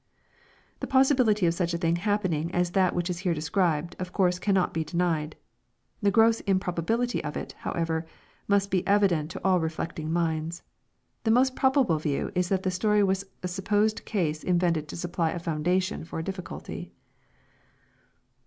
] The possibility of such a thing happening as that which is here described, of course cannot be denied. The gross improbability of it, however, must be evi dent to all reflecting minds. The most probable view is that the story was a supposed case invented to supply a foundation for a difi&culty.